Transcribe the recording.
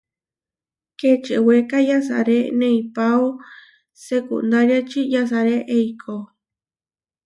Kečewéka yasaré neipáo sekundáriači, yasaré eikó.